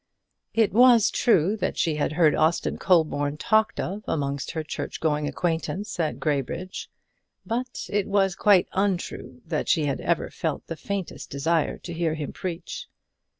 It was true that she had heard Austin Colborne talked of amongst her church going acquaintance at Graybridge; but it was quite untrue that she had ever felt the faintest desire to hear him preach.